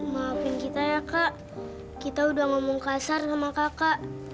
wah ini anugerah dan selamatnya